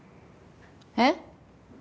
えっ？